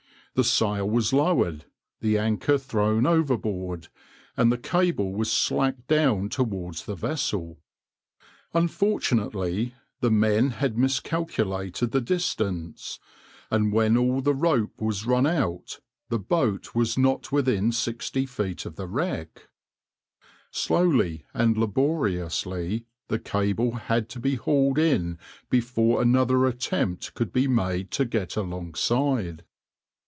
The sail was lowered, the anchor thrown overboard, and the cable was slacked down towards the vessel. Unfortunately, the men had miscalculated the distance, and when all the rope was run out, the boat was not within 60 feet of the wreck. Slowly and laboriously the cable had to be hauled in before another attempt could be made to get alongside.